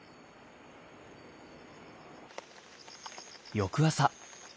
翌朝。